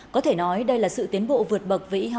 có thể nói đây là sự tiến bộ vượt bậc vĩ